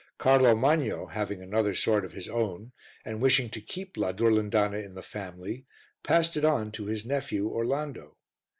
Carlo Magno, having another sword of his own and wishing to keep la Durlindana in the family, passed it on to his nephew Orlando.